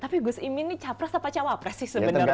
tapi gus imin ini capres apa cawapres sih sebenarnya